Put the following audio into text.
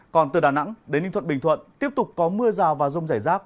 còn từ đà nẵng đến ninh thuận bình thuận tiếp tục có mưa rào và rông rải rác